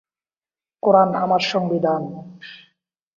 এটি মার্কিন ম্যাগাজিন "ক্লাবের" একটি ভগিনী ম্যাগাজিন।